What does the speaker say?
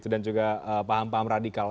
dan juga paham paham radikal